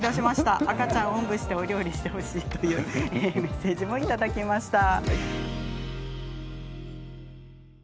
赤ちゃんおんぶしてお料理してほしい」というメッセージも頂きました。